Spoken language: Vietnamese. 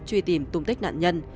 truy tìm tung tích nạn nhân